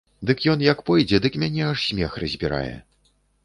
Дык ён як пойдзе, дык мяне аж смех разбірае.